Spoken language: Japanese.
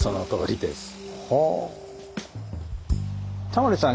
タモリさん